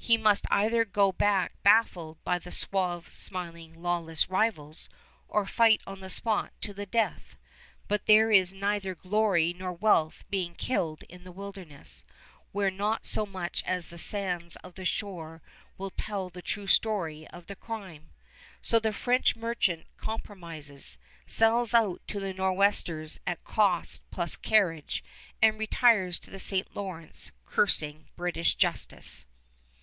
He must either go back baffled by these suave, smiling, lawless rivals, or fight on the spot to the death; but there is neither glory nor wealth being killed in the wilderness, where not so much as the sands of the shore will tell the true story of the crime. So the French merchant compromises, sells out to the Nor'westers at cost plus carriage, and retires to the St. Lawrence cursing British justice.